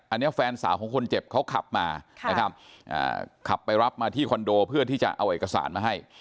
อันนี้แฟนสาวของคนเจ็บเขาขับมานะครับขับไปรับมาที่คอนโดเพื่อที่จะเอาเอกสารมาให้